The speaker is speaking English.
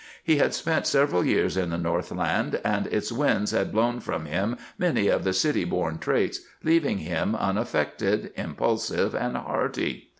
He had spent several years in the Northland, and its winds had blown from him many of the city born traits, leaving him unaffected, impulsive, and hearty.